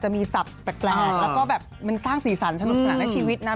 แปลกแล้วก็แบบมันสร้างสีสันสนุกสนักในชีวิตนะ